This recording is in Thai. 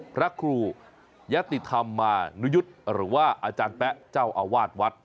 พระครูยะติธรรมานุยุทธ์หรือว่าอาจารย์แป๊ะเจ้าอาวาสวัด